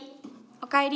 おかえり！